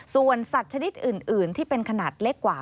ส่วนสัตว์ชนิดอื่นที่เป็นขนาดเล็กกว่า